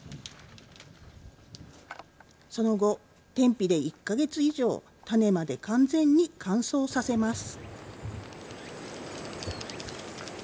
その後、天日で１か月以上、種まで完全に乾燥させます。